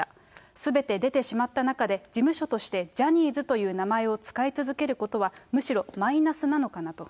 すべて出てしまった中で、事務所としてジャニーズという名前を使い続けることは、むしろマイナスなのかなと。